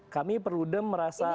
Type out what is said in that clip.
kami perlu dem merasa